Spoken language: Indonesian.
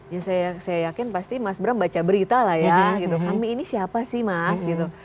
ya saya yakin pasti mas bram baca berita lah ya gitu kami ini siapa sih mas gitu